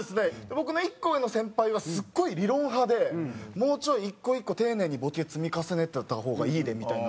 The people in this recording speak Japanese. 僕の１個上の先輩はすごい理論派で「もうちょい１個１個丁寧にボケ積み重ねてた方がいいで」みたいな。